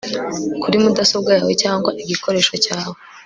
kuri mudasobwa yawe cyangwa igikoresho cyawe